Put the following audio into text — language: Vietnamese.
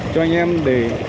cho anh em để